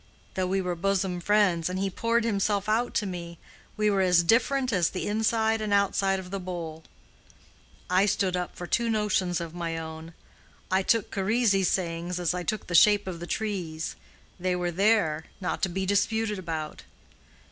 Though we were bosom friends, and he poured himself out to me, we were as different as the inside and outside of the bowl. I stood up for two notions of my own: I took Charisi's sayings as I took the shape of the trees: they were there, not to be disputed about.